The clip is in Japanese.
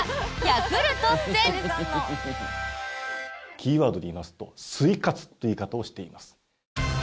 キーワードでいいますと睡活という言い方をしています。